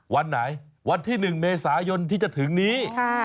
วันไหนวันที่๑เมษายนที่จะถึงนี้